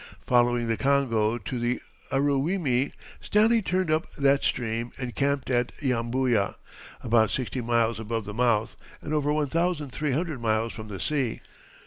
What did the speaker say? Following the Congo to the Aruwimi, Stanley turned up that stream and camped at Yambuya, about sixty miles above the mouth and over one thousand three hundred miles from the sea.